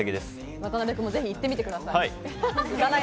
渡邊君もぜひ行ってみてください。